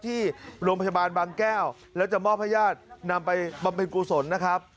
ที่โรงพยาบาลบางแก้วแล้วจะมอบให้ญาตินำไปบำเพ็ญกุศลนะครับ